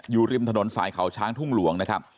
อยู่ริมถนนสายเขาช้างทุ่งหลวงนะครับ